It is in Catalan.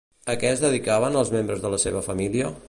A què es dedicaven els membres de la seva família?